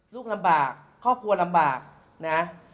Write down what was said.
ลูกลำบากครอบครัวลำบากนะ